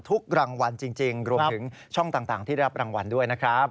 ทุกรางวัลจริงรวมถึงช่องต่างที่ได้รับรางวัลด้วยนะครับ